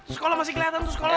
sekolah masih kelihatan tuh sekolah